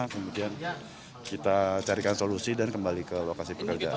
kemudian kita carikan solusi dan kembali ke lokasi pekerjaan